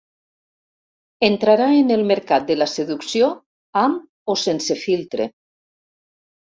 Entrarà en el mercat de la seducció amb o sense filtre.